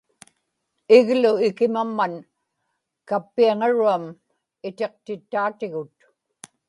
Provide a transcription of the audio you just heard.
iglu ikimamman kappiaŋaruam itiqtittaatigut